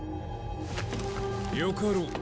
よかろう。